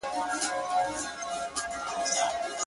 • دا یې ګز دا یې میدان -